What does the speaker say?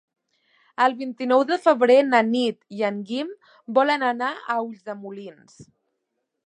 El vint-i-nou de febrer na Nit i en Guim volen anar a Ulldemolins.